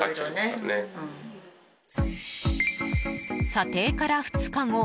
査定から２日後。